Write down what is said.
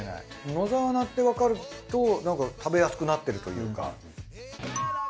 野沢菜ってわかるとなんか食べやすくなってるというか。